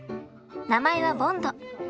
名前はボンド。